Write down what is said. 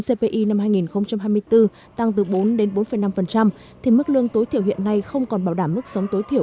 cpi năm hai nghìn hai mươi bốn tăng từ bốn đến bốn năm thì mức lương tối thiểu hiện nay không còn bảo đảm mức sống tối thiểu